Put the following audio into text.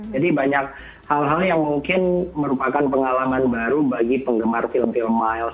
jadi banyak hal hal yang mungkin merupakan pengalaman baru bagi penggemar film film miles